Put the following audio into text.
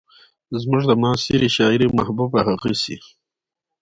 زموږ د معاصرې شاعرۍ محبوبه هغسې